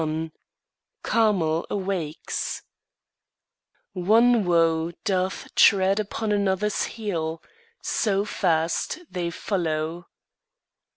XXI CARMEL AWAKES One woe doth tread upon another's heel, So fast they follow.